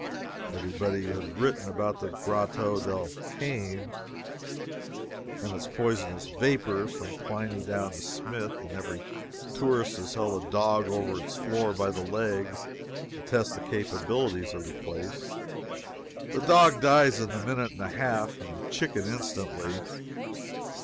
Every body has written about the Grotto del Cane and its poisonous vapors, from Pliny down to Smith, and every tourist has held a dog over its floor by the legs to test the capabilities of the place. The dog dies in a minute and a half a chicken instantly.